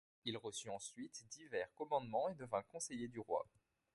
Il reçut ensuite divers commandements et devint conseiller du roi.